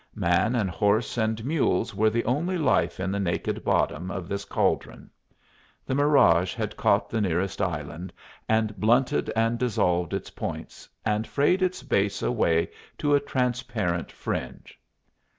Man and horse and mules were the only life in the naked bottom of this caldron. The mirage had caught the nearest island, and blunted and dissolved its points and frayed its base away to a transparent fringe.